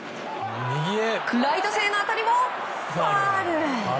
ライト線の当たりもファウル。